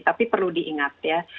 tapi perlu diingat ya